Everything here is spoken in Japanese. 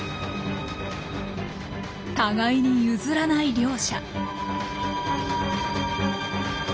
互いに譲らない両者。